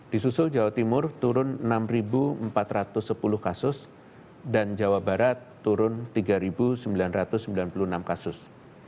di susul jawa timur turun enam empat ratus sepuluh kasus dan jawa barat turun tiga sembilan ratus sembilan puluh enam kasus